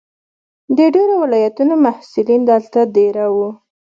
د ډېرو ولایتونو محصلین دلته دېره وو.